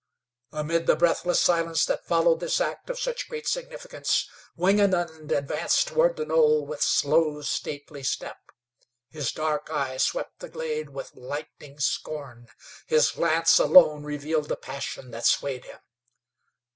Amid the breathless silence that followed this act of such great significance, Wingenund advanced toward the knoll with slow, stately step. His dark eye swept the glade with lightning scorn; his glance alone revealed the passion that swayed him.